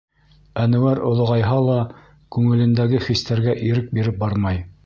Әнүәр олоғайһа ла, күңелендәге хистәргә ирек биреп бармай.